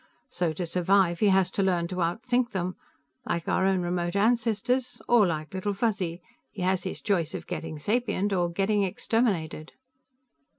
So, to survive, he has to learn to outthink them. Like our own remote ancestors, or like Little Fuzzy; he had his choice of getting sapient or getting exterminated."